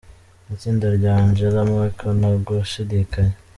"Itsinda rya Angela Merkel, nta gushidikanya.